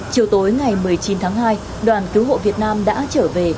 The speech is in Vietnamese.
chiều tối ngày một mươi chín tháng hai đoàn cứu hộ việt nam đã trở về